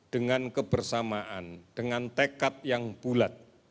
dengan kebersamaan dengan tekad yang bulat